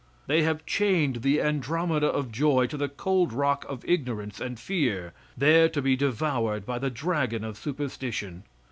They have chained the Andromeda of joy to the cold rock of ignorance and fear, there to be devoured by the dragon of superstition.